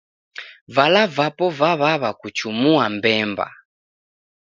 Vala vapo vaw'aw'a kuchumua mbemba